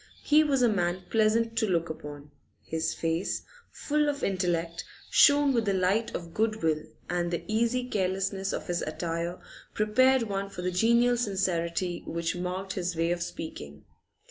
He was a man pleasant to look upon; his face, full of intellect, shone with the light of good will, and the easy carelessness of his attire prepared one for the genial sincerity which marked his way of speaking.